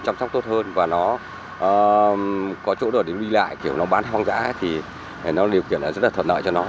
chăm sóc tốt hơn và nó có chỗ để đi lại kiểu nó bán hoang dã thì điều kiện rất là thuận lợi cho nó